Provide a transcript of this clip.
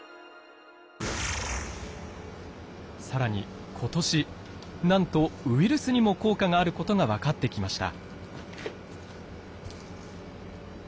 更に今年なんとウイルスにも効果があることが分かってきました。